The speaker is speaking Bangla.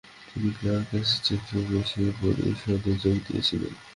তিনি ক্লার্ক-অ্যাসিস্ট্যান্ট রূপে সেই পরিষদে যোগ দিয়েছিলেন।